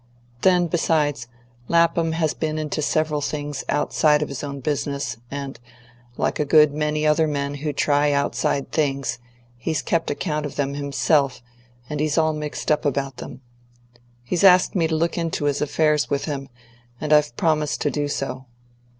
Then, besides, Lapham has been into several things outside of his own business, and, like a good many other men who try outside things, he's kept account of them himself; and he's all mixed up about them. He's asked me to look into his affairs with him, and I've promised to do so.